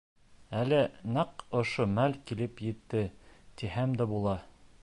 Әле нәҡ ошо мәл килеп етте, тиһәм дә була.